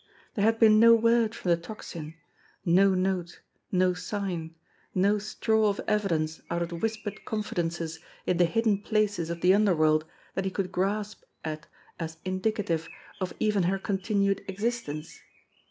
There had been no word from the Tocsin, no note, no sign, no straw of evidence, out of the whispered confidences in the hidden places of the underworld that he could grasp at as indicative of even hei continued existence.